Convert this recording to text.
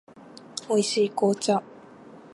美味しい紅茶